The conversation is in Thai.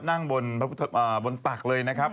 นั่งบนตักเลยนะครับ